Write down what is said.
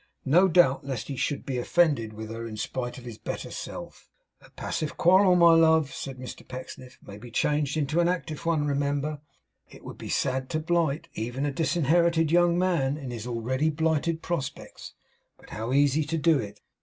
No doubt lest he should be offended with her in spite of his better self. 'A passive quarrel, my love,' said Mr Pecksniff, 'may be changed into an active one, remember. It would be sad to blight even a disinherited young man in his already blighted prospects; but how easy to do it.